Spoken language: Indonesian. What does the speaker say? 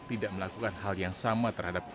tidak melakukan hal yang sama terhadap